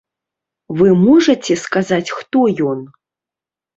Вы можаце сказаць, хто ён?